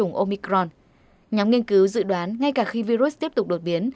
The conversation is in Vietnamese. nhóm nghiên cứu dự đoán ngay cả khi virus tiếp tục đột biến